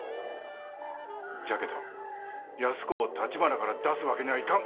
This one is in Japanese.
じゃけど安子をたちばなから出すわけにゃあいかん。